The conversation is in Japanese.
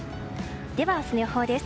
では明日の予報です。